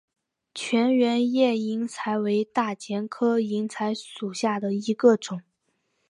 全缘叶银柴为大戟科银柴属下的一个种。